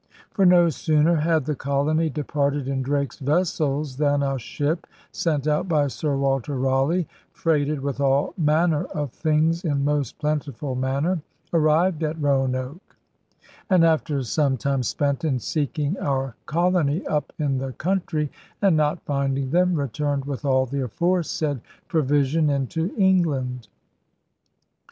For no sooner had the colony departed in Drake's vessels than a ship sent out by Sir Walter Raleigh, * freighted with all maner of things in most plentiful maner,' arrived at Roanoke; and * after some time spent in seeking our Colony up in the countrey, and not finding them, returned with all the aforesayd provision into England.'